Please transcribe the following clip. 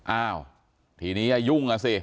อ้าวทีนี้อย่ายุ่งอ่ะสิ